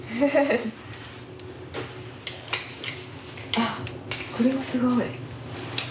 あっこれはすごい。